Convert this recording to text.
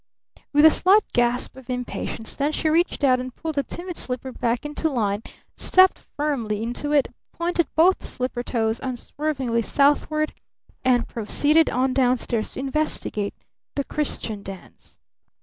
With a slight gasp of impatience, then, she reached out and pulled the timid slipper back into line, stepped firmly into it, pointed both slipper toes unswervingly southward, and proceeded on down stairs to investigate the "Christian Dance."